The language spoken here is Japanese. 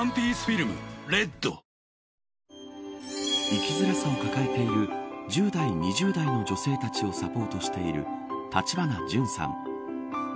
生きづらさを抱えている１０代、２０代の女性たちをサポートしている橘ジュンさん。